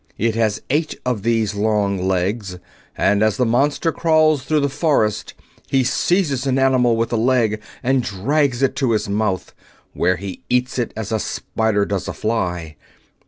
It has eight of these long legs, and as the monster crawls through the forest he seizes an animal with a leg and drags it to his mouth, where he eats it as a spider does a fly.